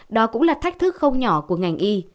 đó cũng là thách thức không nhỏ của ngành y